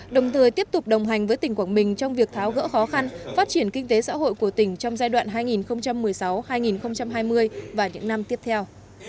đồng thời tiếp tục đồng hành với tỉnh quảng bình trong việc tháo gỡ khó khăn phát triển kinh tế xã hội của tỉnh trong giai đoạn hai nghìn một mươi sáu hai nghìn hai mươi và những năm tiếp theo